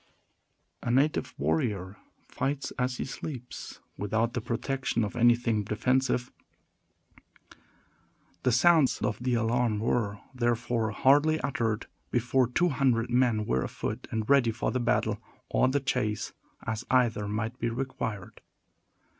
A native warrior fights as he sleeps, without the protection of anything defensive. The sounds of the alarm were, therefore, hardly uttered before two hundred men were afoot, and ready for the battle or the chase, as either might be required.